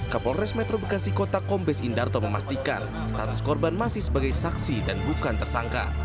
kapolres metro bekasi kota kombes indarto memastikan status korban masih sebagai saksi dan bukan tersangka